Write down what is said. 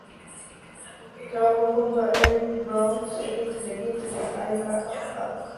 Trabajó junto a Avery Brooks en la serie televisiva "A Man Called Hawk".